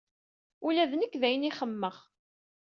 Ula d nekk d ayen ay xemmemeɣ.